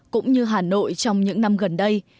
cũng như hà nội trong những năm gần đây